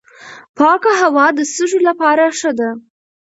پاکه هوا د سږو لپاره ښه ده.